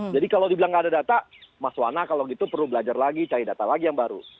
jadi kalau dibilang tidak ada data mas wana kalau gitu perlu belajar lagi cari data lagi yang baru